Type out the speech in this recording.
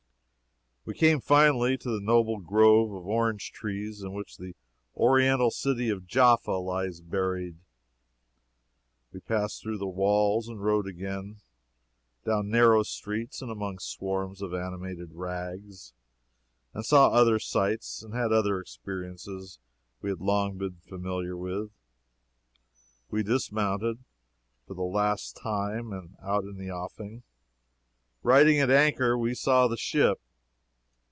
We came finally to the noble grove of orange trees in which the Oriental city of Jaffa lies buried; we passed through the walls, and rode again down narrow streets and among swarms of animated rags, and saw other sights and had other experiences we had long been familiar with. We dismounted, for the last time, and out in the offing, riding at anchor, we saw the ship!